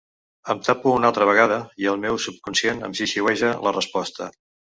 Em tapo una altra vegada i el meu subconscient em xiuxiueja la resposta.